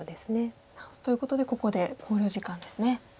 ということでここで考慮時間ですね。